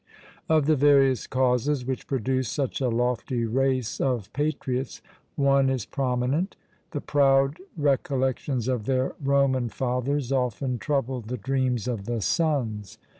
Of the various causes which produced such a lofty race of patriots, one is prominent. The proud recollections of their Roman fathers often troubled the dreams of the sons.